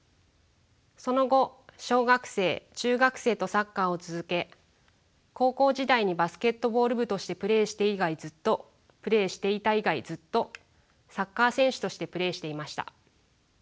その後小学生中学生とサッカーを続け高校時代にバスケットボール部としてプレーしていた以外ずっとサッカー選手としてプレーしていました。